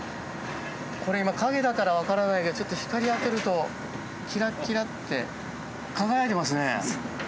これ今陰だから分からないけどちょっと光当てるときらっきらって輝いてますね。